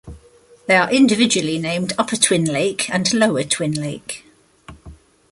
They are individually named Upper Twin Lake and Lower Twin Lake.